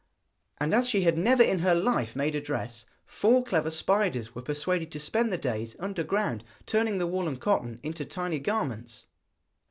And as she had never in her life made a dress, four clever spiders were persuaded to spend the days underground, turning the wool and cotton into tiny garments.